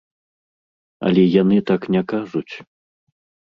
Але яны так не кажуць.